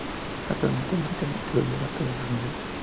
Actualmente milita en el Club Libertad de Asunción.